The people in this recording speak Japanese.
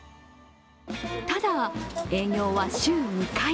ただ、営業は週２回。